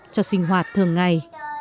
cho sinh hoạt thường ngày